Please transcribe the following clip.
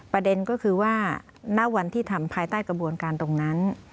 ประเด็นก็คือว่าณวันที่ทำภายใต้กระบวนการตรงนั้น